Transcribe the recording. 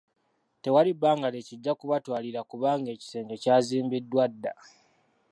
Tewali bbanga lye kijja kubatwalira kubanga ekisenge ky'azimbidddwa dda.